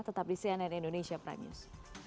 tetap di cnn indonesia prime news